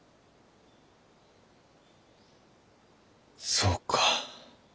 そうか。